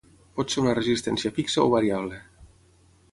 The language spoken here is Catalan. Pot ser una resistència fixa o variable.